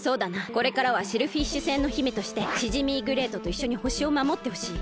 これからはシェルフィッシュ星の姫としてシジミーグレイトといっしょにほしをまもってほしい。